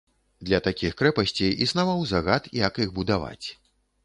Для такіх крэпасцей існаваў загад, як іх будаваць.